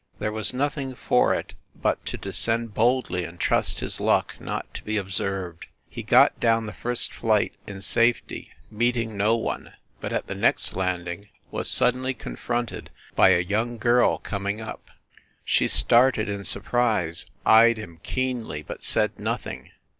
There was nothing for it but to descend boldly and trust his luck not to be observed. He got down the first flight in safety, meeting no one, but at the next landing was suddenly confronted by a young girl coming up. She started in surprise, eyed him keenly, but said nothing.